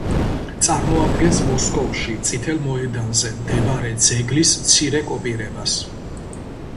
წარმოადგენს მოსკოვში, წითელ მოედანზე მდებარე ძეგლის მცირე კოპირებას.